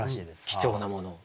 貴重なものを。